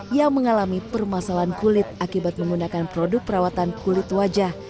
yang mengalami permasalahan kulit akibat menggunakan produk perawatan kulit wajah